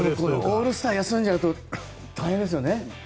オールスター休んじゃうと大変ですよね。